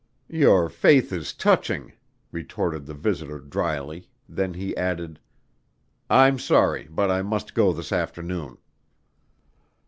"Your faith is touching," retorted the visitor dryly, then he added: "I'm sorry, but I must go this afternoon."